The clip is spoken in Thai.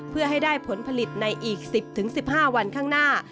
เพื่อให้ได้ผลผลิตในอีก๑๐๑๕วันข้างหน้า